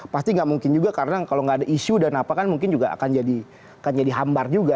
pasti nggak mungkin juga karena kalau nggak ada isu dan apa kan mungkin juga akan jadi hambar juga